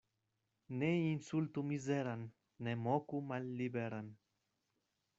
Ne insultu mizeran, ne moku malliberan.